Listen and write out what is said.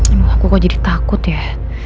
emang aku kok jadi takut ya